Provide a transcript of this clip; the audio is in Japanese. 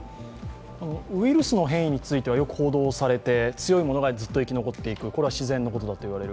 ウイルスの変異についてはよく報道されて強いものがずっと生き残っていくのは自然なことだといわれる。